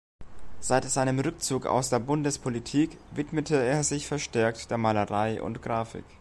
Seit seinem Rückzug aus der Bundespolitik widmete er sich verstärkt der Malerei und Grafik.